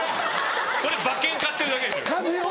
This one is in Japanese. それ馬券買ってるだけですよ。